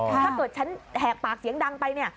ถ้าเกิดฉันแหกปากเสียงดังไปเนี่ย